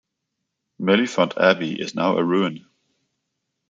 Mellifont Abbey is now a ruin.